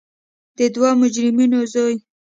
د دوو مجرمینو زوی.